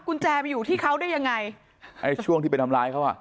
กุญแจไปอยู่ที่เขาได้ยังไงไอ้ช่วงที่ไปทำร้ายเขาอ่ะ